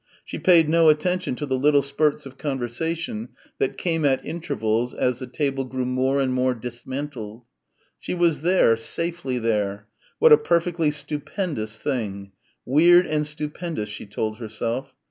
She paid no attention to the little spurts of conversation that came at intervals as the table grew more and more dismantled. She was there, safely there what a perfectly stupendous thing "weird and stupendous" she told herself.